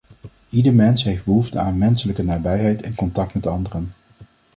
Ieder mens heeft behoefte aan menselijke nabijheid en contact met anderen.